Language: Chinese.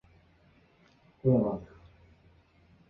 这一区域目前被用于行政办公室及档案馆。